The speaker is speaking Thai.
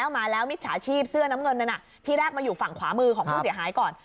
มาแล้วมิจฉาชีพเสื้อน้ำเงินนั้นที่แรกมาอยู่ฝั่งขวามือของผู้เสียหายก่อน